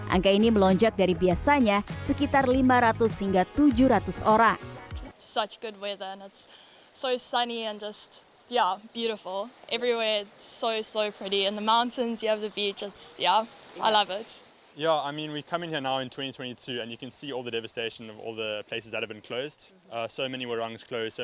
angka ini melonjak dari biasanya sekitar lima ratus hingga tujuh ratus orang